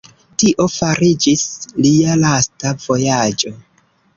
Tio fariĝis lia lasta vojaĝo.